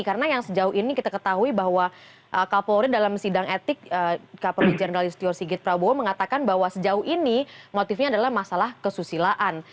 karena yang sejauh ini kita ketahui bahwa kapolri dalam sidang etik kapolri jenderal istri orsigit prabowo mengatakan bahwa sejauh ini motifnya adalah masalah kesusilaan